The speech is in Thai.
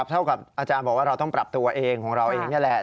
เท่ากับอาจารย์บอกว่าเราต้องปรับตัวเองของเราเองนี่แหละ